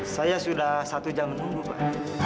saya sudah satu jam menunggu pak